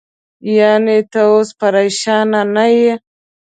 یعنې، ته اوس پرېشانه نه یې؟